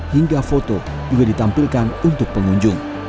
hingga foto juga ditampilkan untuk pengunjung